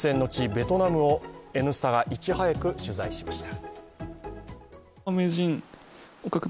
ベトナムを「Ｎスタ」がいち早く取材しました。